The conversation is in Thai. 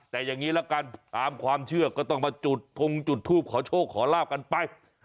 แต่อย่างนี้ละกันตามความเชื่อก็ต้องมาจุดทงจุดทูปขอโชคขอลาบกันไป